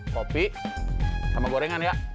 kopi sama gorengan ya